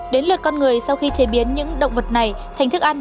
đến lượt con người sau khi chế biến những động vật này thành thức ăn